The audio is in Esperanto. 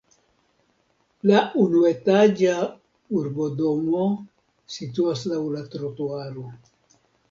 La unuetaĝa urbodomo situas laŭ la trotuaro.